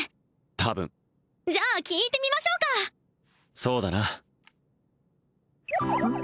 多分じゃあ聞いてみましょうかそうだなうん？